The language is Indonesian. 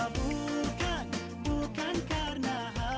bukan bukan karena harta